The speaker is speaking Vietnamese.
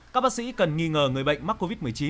các bác sĩ cần nghi ngờ người bệnh mắc covid một mươi chín